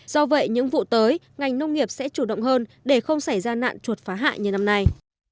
do vậy những vụ tới ngành nông nghiệp sẽ chủ động hơn để không xảy ra nạn chuột phá hại như năm nay